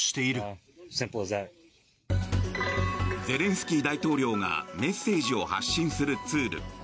ゼレンスキー大統領がメッセージを発信するツール